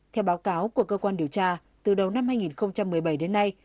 theo báo cáo của cơ quan điều tra từ đầu năm hai nghìn một mươi bảy đến nay